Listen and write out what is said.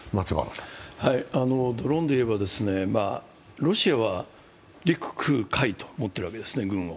ドローンでいえばロシアは陸・空・海と持っているわけですね、軍を。